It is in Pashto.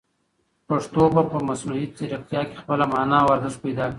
پښتو به په مصنوعي ځیرکتیا کې خپله مانا او ارزښت پیدا کړي.